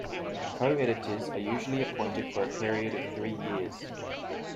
Co-editors are usually appointed for a period of three years.